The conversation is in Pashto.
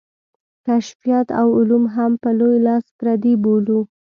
کشفیات او علوم هم په لوی لاس پردي بولو.